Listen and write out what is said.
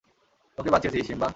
তোকে বাঁচিয়েছি, সিম্বা!